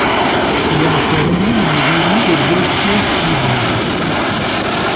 Il a un frère aîné nommé Eli et deux sœurs plus jeunes.